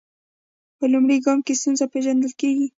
په لومړي ګام کې ستونزه پیژندل کیږي.